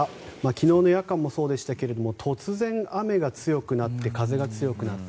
昨日の夜間もそうでしたけれども突然雨が強くなって風が強くなって。